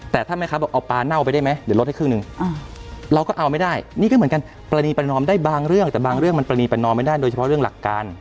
แต่ถ้าแม่ค้าบอกเอาปลาเน่าไปได้ไหมเดี๋ยวลดให้ครึ่งหนึ่งเราก็เอาไม่ได้นี่ก็เหมือนกันปรณีประนอมได้บางเรื่องแต่บางเรื่องมันปรณีประนอมไม่ได้โดยเฉพาะเรื่องหลักการ